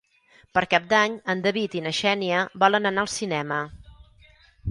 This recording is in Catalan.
Per Cap d'Any en David i na Xènia volen anar al cinema.